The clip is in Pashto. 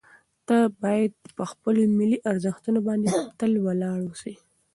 ته باید په خپلو ملي ارزښتونو باندې تل ولاړ واوسې.